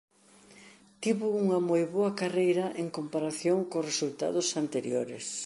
Tivo unha moi boa carreira en comparación cos resultados anteriores.